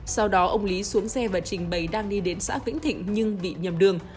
sau đó ông lý xuống xe và trình bày đang đi đến xã vĩnh thịnh nhưng bị nhầm đường